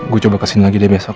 gue coba kesini lagi deh besok